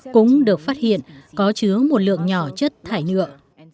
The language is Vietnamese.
cũng được phát hiện có chứa một lượng nhỏ chất thải nhựa